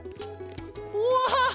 うわ！